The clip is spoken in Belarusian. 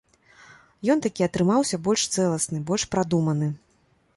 Ён такі атрымаўся больш цэласны, больш прадуманы.